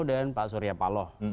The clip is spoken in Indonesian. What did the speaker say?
dengan pak surya paloh